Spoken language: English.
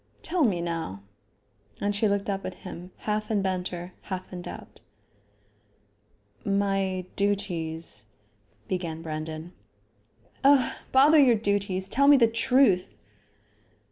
Tell me now?" And she looked up at him, half in banter, half in doubt. "My duties ," began Brandon. "Oh! bother your duties. Tell me the truth."